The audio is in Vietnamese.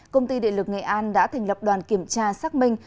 công ty địa lực nghệ an đã thành lập đoàn kiểm tra xác minh